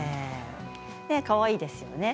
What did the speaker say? かわいいですよね。